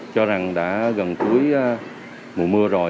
cho rằng đã gần cuối mùa mưa rồi